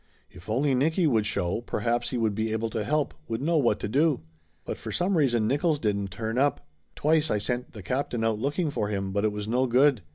If only Nicky would show, perhaps he would be able to help, would know what to do. But for some reason Nickolls didn't turn up. Twice I sent the captain out looking for him, but it was no good.